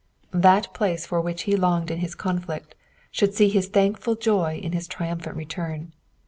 That place for which he longed in his conflict, should see his thankful joj in his triumphant return.